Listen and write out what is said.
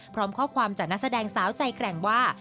พร้อมข้อความจากนักแสดงสาวใจแกร่งว่า